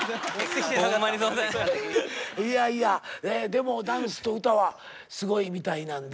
いやいやでもダンスと歌はすごいみたいなんで。